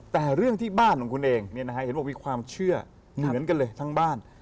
แต่เรื่องที่บ้านของคุณเองเห็นบอกมีความเชื่อเหมือนกันเลยทั้งบ้าน